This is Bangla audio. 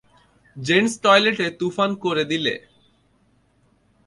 জেন্টস টয়লেটে তুফান করে দিলে!